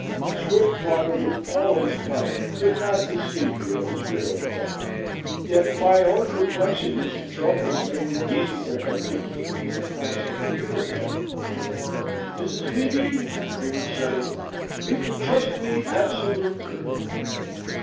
Swiftwater, with all his cunning, could not deceive me of his real intent, yet my own perplexities and troubles made it easy for him to keep me in constant fear of him. "Mrs. Beebe," he would say, "you can trust me absolutely."